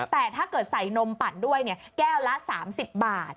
แต่ถ้าเกิดใส่นมปั่นด้วยแก้วละ๓๐บาท